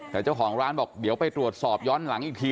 แต่เจ้าของร้านบอกเดี๋ยวไปตรวจสอบย้อนหลังอีกที